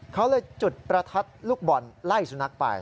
เขาเลยจุดประทัดลูกบอลไล่สุนัขไป